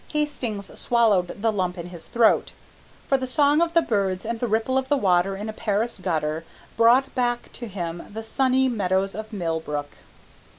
Hastings swallowed the lump in his throat, for the song of the birds and the ripple of water in a Paris gutter brought back to him the sunny meadows of Millbrook.